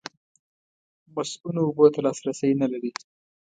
مصؤنو اوبو ته لاسرسی نه لري.